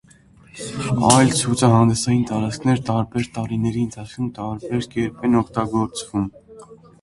Այլ ցուցահանդեսային տարածքներ տարբեր տարիների ընթացքում տարբեր կերպ են օգտագործվում։